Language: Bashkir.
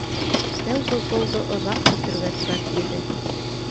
Тәүге голды оҙаҡ көтөргә тура килде.